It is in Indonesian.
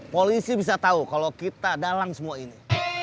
polisi bisa tahu kalau kita dalang semua ini